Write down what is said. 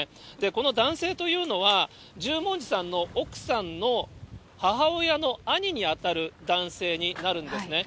この男性というのは、十文字さんの奥さんの母親の兄に当たる男性になるんですね。